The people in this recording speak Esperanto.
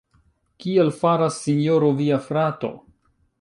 Kiel fartas Sinjoro via frato?